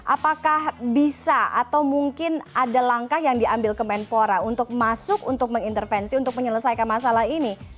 apakah bisa atau mungkin ada langkah yang diambil kemenpora untuk masuk untuk mengintervensi untuk menyelesaikan masalah ini